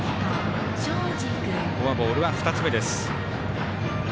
フォアボールは２つ目です。